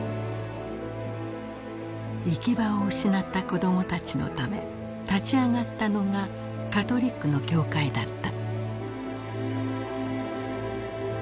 行き場を失った子どもたちのため立ち上がったのがカトリックの教会だった。